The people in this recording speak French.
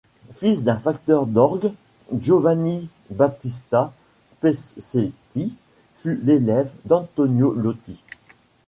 Fils d'un facteur d’orgues, Giovanni Battista Pescetti fut l’élève d'Antonio Lotti.